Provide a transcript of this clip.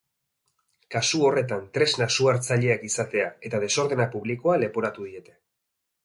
Kasu horretan tresna su hartzaileak izatea eta desordena publikoa leporatu diete.